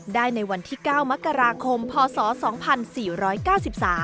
ได้ในวันที่๙มกราคมพศ๒๔๙๓